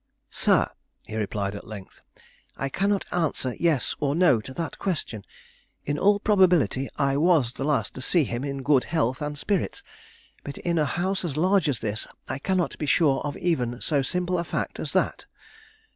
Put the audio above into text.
"Sir," he replied at length, "I cannot answer yes or no to that question. In all probability I was the last to see him in good health and spirits, but in a house as large as this I cannot be sure of even so simple a fact as that."